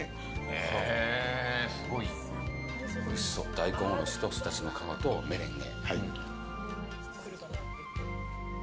大根おろしとすだちの皮とメレンゲ。